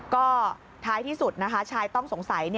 ก็ท้ายที่สุดนะคะชายต้องสงสัย